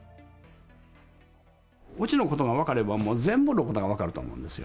うちのことが分かれば、もう全部のことが分かると思うんですよ。